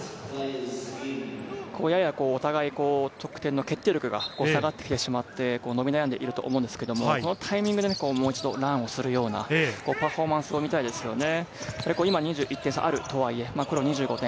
ややお互い、得点の決定力が下がってきてしまって、伸び悩んでいると思うんですけど、このタイミングでもう一度するようなパフォーマンスを見たいですね。